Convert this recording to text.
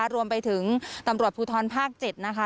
รวมไปถึงตำรวจภูทรภาค๗นะคะ